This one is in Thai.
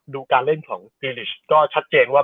ดูการเล่นของฟิลิชก็ชัดเจนว่า